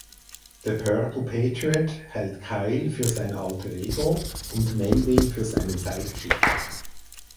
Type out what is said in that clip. Der Purple Patriot hält Kyle für sein Alter Ego und Melvin für seinen Sidekick.